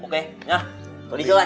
ok nha tôi đi trước đây